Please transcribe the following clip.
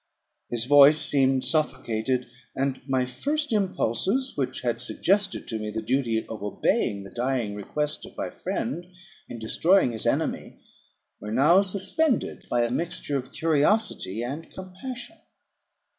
His voice seemed suffocated; and my first impulses, which had suggested to me the duty of obeying the dying request of my friend, in destroying his enemy, were now suspended by a mixture of curiosity and compassion.